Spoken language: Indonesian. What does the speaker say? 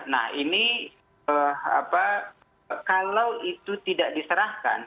nah ini kalau itu tidak diserahkan